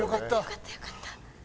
よかったよかった。